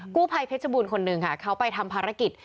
กู้ภัยเพชรบูรณ์คนหนึ่งค่ะเขาไปทำภารกิจ